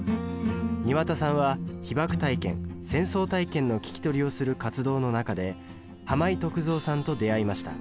庭田さんは被爆体験戦争体験の聞き取りをする活動の中で井三さんと出会いました。